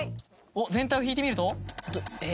全体を引いてみると？